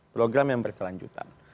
program yang berkelanjutan